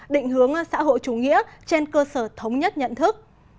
định hướng xã hội chủ nghĩa trên cơ sở thống nhất nhận thức